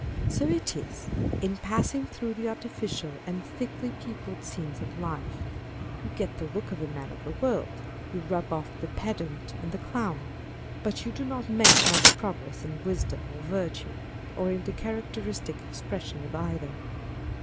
So it is in passing through the artificial and thickly peopled scenes of life. You get the look of a man of the wrorld : you rub off the pedant and the clown ; but you do not make much progress in wisdom or virtue, or in the characteristic expression of either.